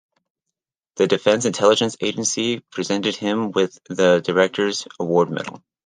The Defense Intelligence Agency presented him with the Director's Award Medal.